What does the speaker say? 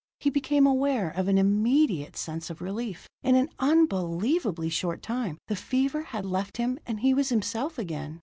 He became aware of an immediate sense of relief; in an unbelievably short time the fever had left him and he was himself again.